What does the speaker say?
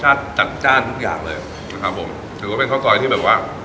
ใช่ค่ะแล้วก็รสชาติจัดจ้านทุกอย่างเลยนะครับผมถือว่าเป็นข้าวซอยที่แบบว่า